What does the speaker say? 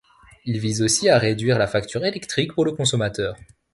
Il vise aussi à réduire la facture électrique pour le consommateur.